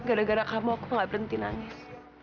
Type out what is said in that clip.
gara gara kamu saya tidak berhenti menangis